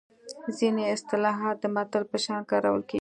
ځینې اصطلاحات د متل په شان کارول کیږي